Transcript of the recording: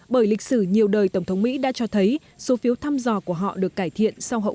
bởi lịch sử nhiều đời tổng thống mỹ đã cho thấy số phiếu thăm dò của họ được cải thiện sau hậu